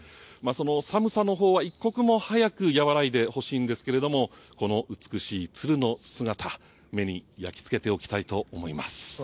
寒さのほうは一刻も早く和らいでほしいんですがこの美しいツルの姿目に焼きつけてほしいと思います。